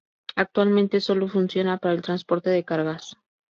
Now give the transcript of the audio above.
Actualmente sólo funciona para el transporte de cargas.